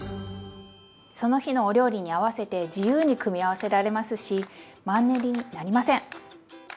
その日のお料理に合わせて自由に組み合わせられますしマンネリになりません！